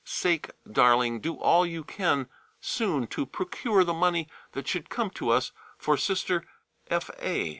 For God's sake, darling, do all you can soon to procure the money that should come to us for Sister F. A.